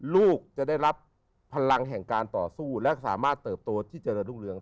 ลูกจะได้รับพลังแห่งการต่อสู้และสามารถเติบโตที่เจริญรุ่งเรือง